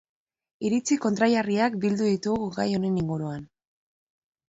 Iritzi kontrajarriak bildu ditugu gai honen inguruan.